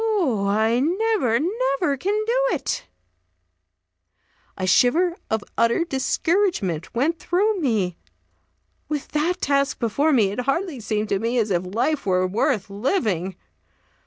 Oh, I never, never can do it!" A shiver of utter discouragement went through me. With that task before me, it hardly seemed to me as if life were worth living.